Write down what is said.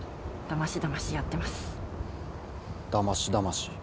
だましだまし？